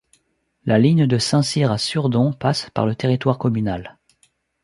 La ligne de Saint-Cyr à Surdon passe par le territoire communal.